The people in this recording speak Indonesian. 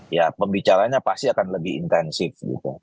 ya pembicaranya pasti akan lebih intensif gitu